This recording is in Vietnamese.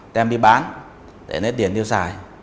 đem đi bán để nấy tiền tiêu xài